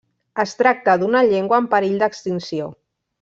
Es tracta d'una llengua en perill d'extinció.